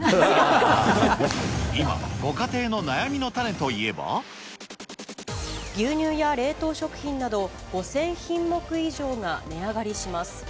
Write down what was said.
今、ご家庭の悩みの種といえ牛乳や冷凍食品など、５０００品目以上が値上がりします。